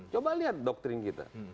coba lihat doktrin kita